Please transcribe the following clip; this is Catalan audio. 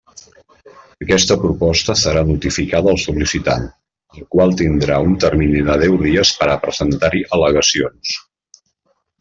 Aquesta proposta serà notificada al sol·licitant, el qual tindrà un termini de deu dies per a presentar-hi al·legacions.